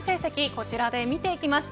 こちらで見ていきます。